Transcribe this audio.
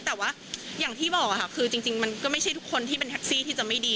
แต่ว่าอย่างที่บอกค่ะคือจริงมันก็ไม่ใช่ทุกคนที่เป็นแท็กซี่ที่จะไม่ดี